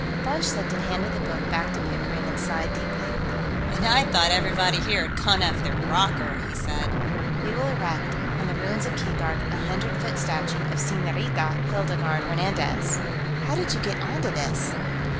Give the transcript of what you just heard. Von Schlichten handed the book back to Pickering, and sighed deeply. "And I thought everybody here had gone off his rocker," he said. "We will erect, on the ruins of Keegark, a hundred foot statue of Señorita Hildegarde Hernandez.... How did you get onto this?"